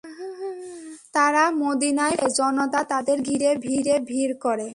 তারা মদীনায় পা দিলে জনতা তাদের ঘিরে ভীড় করে।